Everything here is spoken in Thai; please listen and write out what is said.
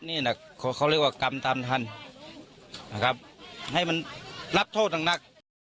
นี่นะเขาเรียกว่ากรรมตามทันนะครับให้มันรับโทษหนัก